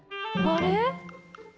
あれ？